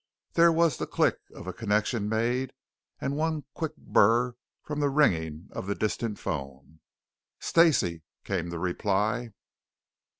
There was the click of a connection made and one quick burr from the ringing of the distant telephone. "Stacey," came the reply.